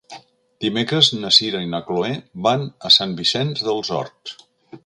Dimecres na Sira i na Chloé van a Sant Vicenç dels Horts.